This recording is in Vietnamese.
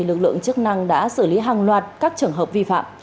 lực lượng chức năng đã xử lý hàng loạt các trường hợp vi phạm